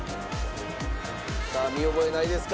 さあ見覚えないですか？